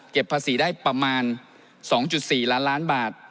ภาษีได้ประมาณ๒๔ล้านล้านบาท